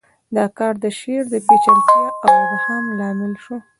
دا کار د شعر د پیچلتیا او ابهام لامل شو